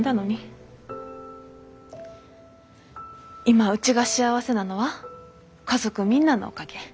今うちが幸せなのは家族みんなのおかげ。